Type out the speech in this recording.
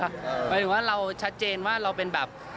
หมายถึงว่าเราชัดเจนว่าเราเป็นแบบ